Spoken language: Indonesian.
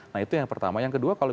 nah itu yang pertama yang kedua kalau